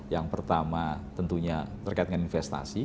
yang pertama tentunya terkait dengan investasi